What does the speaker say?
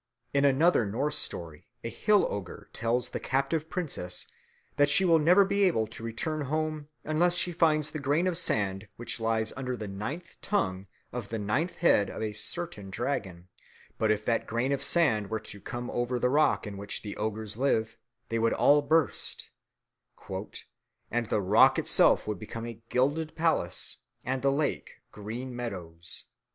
In another Norse story a hill ogre tells the captive princess that she will never be able to return home unless she finds the grain of sand which lies under the ninth tongue of the ninth head of a certain dragon; but if that grain of sand were to come over the rock in which the ogres live, they would all burst "and the rock itself would become a gilded palace, and the lake green meadows."